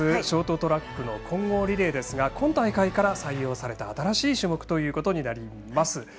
ショートトラックの混合リレーですが今大会から採用された新しい種目ということになります。